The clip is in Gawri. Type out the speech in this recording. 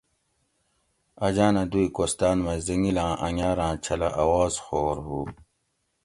اجاۤنہ دُوئ کوستاۤن مئ زنگیلاۤں انگاۤراۤں چھلہ اواز خور ہُو